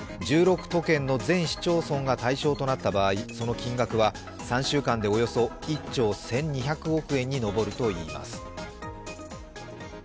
１６都県の全市町村が対象となった場合、その金額は３週間でおよそ１兆１２００億円に上るといいます。